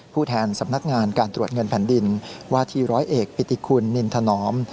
ผู้แทนสำนักงานการตรวจเงินแผ่นดินวาทีร้อยเอกปิติคุณนินถนอม